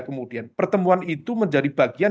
kemudian pertemuan itu menjadi bagian